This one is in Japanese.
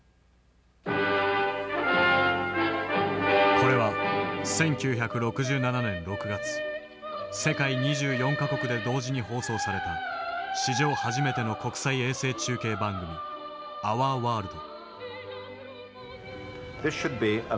これは１９６７年６月世界２４か国で同時に放送された史上初めての国際衛星中継番組「ＯＵＲＷＯＲＬＤ」。